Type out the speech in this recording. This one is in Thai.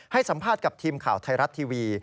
ให้สัมภาษณ์กับทีมข่าวไทยรัฐทีวี